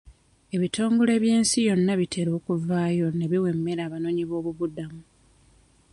Ebitongole by'ensi yonna bitera okuvaayo ne biwa emmere abanoonyiboobubudamu.